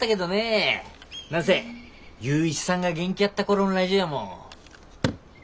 何せ雄一さんが元気やった頃んラジオやもん。